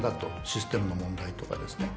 システムの問題とかですね。